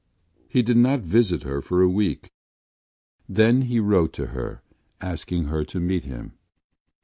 He did not visit her for a week, then he wrote to her asking her to meet him.